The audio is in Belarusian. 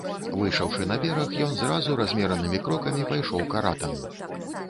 Выйшаўшы на бераг, ён зразу размеранымі крокамі пайшоў к аратаму.